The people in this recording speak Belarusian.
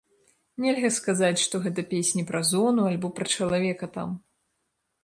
Нельга сказаць, што гэта песні пра зону або пра чалавека там.